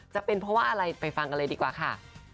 จะเป็นเพราะว่าอะไรไปฟังกันเลยดีกว่าค่ะ